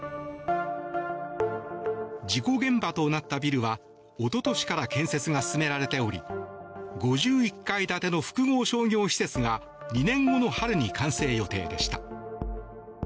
事故現場となったビルはおととしから建設が進められており５１階建ての複合商業施設が２年後の春に完成予定でした。